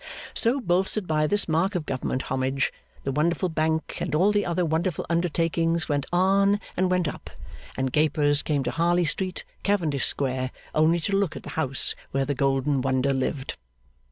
So, bolstered by this mark of Government homage, the wonderful Bank and all the other wonderful undertakings went on and went up; and gapers came to Harley Street, Cavendish Square, only to look at the house where the golden wonder lived.